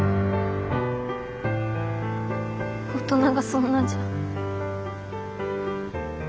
大人がそんなじゃ。